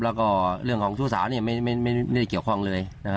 แล้วก็เรื่องของชู้สาวไม่ได้เกี่ยวข้องเลย